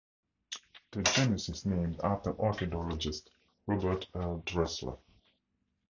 The genus is named after orchidologist Robert L. Dressler.